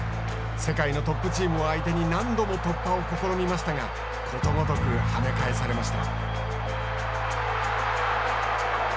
世界のトップチームを相手に何度も突破を試みましたがことごとくはね返されました。